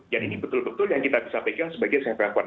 ini betul betul yang kita bisa pegang sebagai safe raper